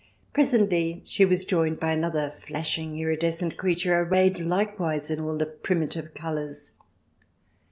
Presently she was joined by another flashing iridescent creature, arrayed likewise in all the primitive colours.